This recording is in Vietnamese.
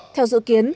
theo dự kiến